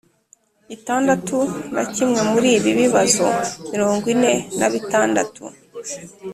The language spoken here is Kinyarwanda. itandatu na kimwe Muri ibi bibazo mirongo ine na bitandatu